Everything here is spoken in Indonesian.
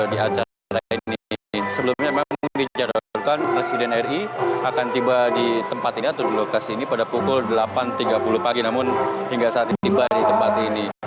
di acara ini sebelumnya memang dijadwalkan presiden ri akan tiba di tempat ini atau di lokasi ini pada pukul delapan tiga puluh pagi namun hingga saat ini tiba di tempat ini